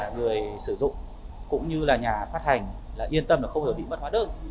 người sử dụng cũng như là nhà phát hành là yên tâm là không hề bị mất hóa đơn